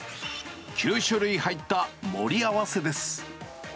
９種類入った盛り合わせです。